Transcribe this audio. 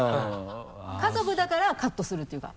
家族だからカットするっていうか。